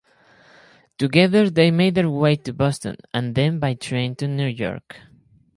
Together they made their way to Boston and then by train to New York.